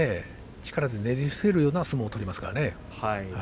力でねじ伏せるような相撲を取ります。